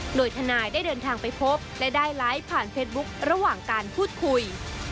โดยทนายได้เดินทางไปพบและได้ไลฟ์ผ่านเฟซบุ๊คระหว่างการพูดคุย